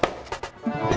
gak ada nyebab nggak bu